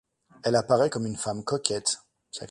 Elle apparaît comme une femme coquette.